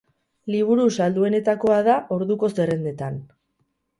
Liburu salduenetakoa da orduko zerrendetan.